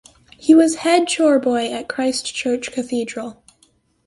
He was head choirboy at Christchurch Cathedral.